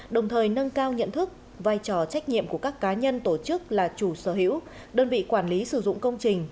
đồng thời nâng cao nhận thức vai trò trách nhiệm của các cá nhân tổ chức là chủ sở hữu đơn vị quản lý sử dụng công trình